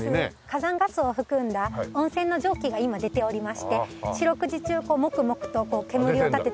火山ガスを含んだ温泉の蒸気が今出ておりまして四六時中こうモクモクと煙を立てている。